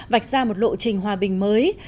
vạch ra một lộ trình hòa bình mới